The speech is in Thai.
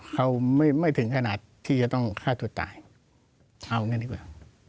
เขาไม่ถึงขนาดที่จะต้องฆ่าตัวตายเอาอย่างนี้ดีกว่า